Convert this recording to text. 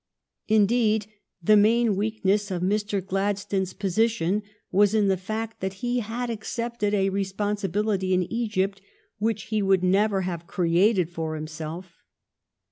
Indeed, the main weakness of Mr. Gladstone's position was in the fact that he had accepted a responsibility in Egypt which he would never have created for himself.